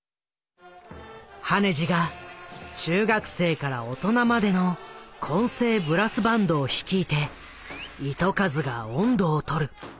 羽地が中学生から大人までの混成ブラスバンドを率いて糸数が音頭を取る。